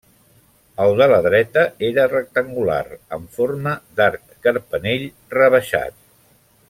El de la dreta era rectangular en forma d'arc carpanell rebaixat.